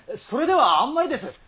それではあんまりです。